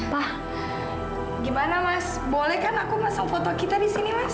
wah gimana mas boleh kan aku masak foto kita di sini mas